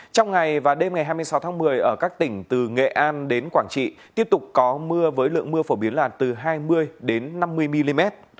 trong ngày và đêm ngày hai mươi sáu tháng một mươi ở các tỉnh từ nghệ an đến quảng trị tiếp tục có mưa với lượng mưa phổ biến là từ hai mươi năm mươi mm